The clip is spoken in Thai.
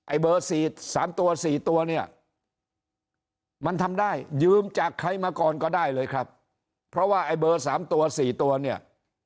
เบอร์๔๓ตัว๔ตัวเนี่ยมันทำได้ยืมจากใครมาก่อนก็ได้เลยครับเพราะว่าไอ้เบอร์๓ตัว๔ตัวเนี่ย